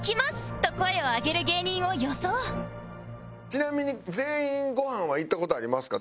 ちなみに全員ごはんは行った事ありますか？